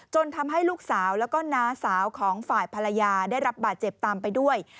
ทำให้ลูกสาวแล้วก็น้าสาวของฝ่ายภรรยาได้รับบาดเจ็บตามไปด้วย